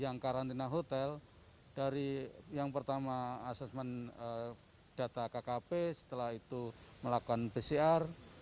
yang karantina hotel dari yang pertama asesmen data kkp setelah itu melakukan pcr